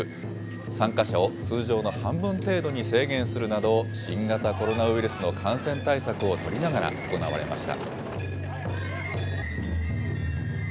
参加者を通常の半分程度に制限するなど、新型コロナウイルスの感染対策を取りながら、行われました。